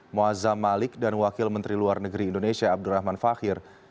muazzam malik dan wakil menteri luar negeri indonesia abdurrahman fakir